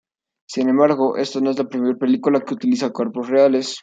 Sin embargo, esta no es la primera película que utiliza cuerpos reales.